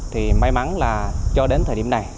thì may mắn là cho đến thời điểm này